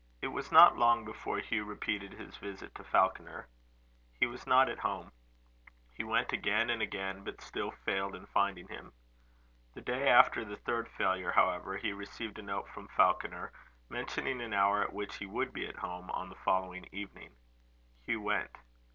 It was not long before Hugh repeated his visit to Falconer. He was not at home. He went again and again, but still failed in finding him. The day after the third failure, however, he received a note from Falconer, mentioning an hour at which he would be at home on the following evening. Hugh went.